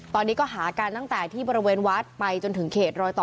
ตอนนี้ก็หากันตั้งแต่ที่บริเวณวัดไปจนถึงเขตรอยต่อ